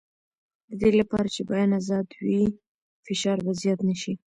د دې لپاره چې بیان ازاد وي، فشار به زیات نه شي.